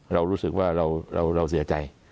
เรารู้สึกว่าเราเสียใจ